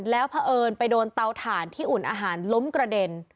แล้วเผอิญไปโดนเตาถ่านที่อุ่นอาหารล้มกระเด็น